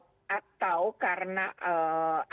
misalnya atas dasar apakah kemauan anak